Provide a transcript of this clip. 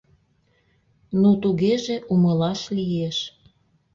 — Ну, тугеже умылаш лиеш...